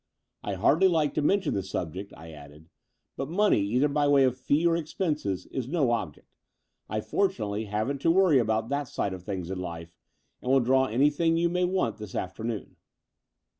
I hardly like to mention the subject," I added, "but money, either by way of fee or expenses, is no object. I fortunately haven't to worry about that side of things in life, and will draw anything you may want this afternoon.